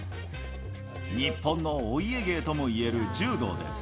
日本のお家芸ともいえる柔道です。